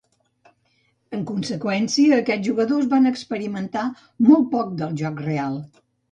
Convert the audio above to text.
En conseqüència, aquests jugadors van experimentar molt poc del joc real.